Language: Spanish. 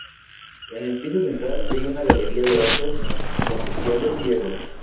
En el piso central hay una galería de arcos conopiales ciegos.